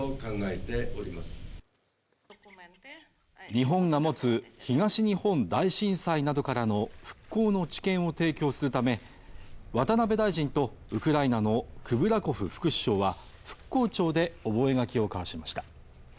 日本が持つ東日本大震災などからの復興の知見を提供するため、渡辺大臣とウクライナのクブラコフ副首相は、復興庁で覚書を交わしました。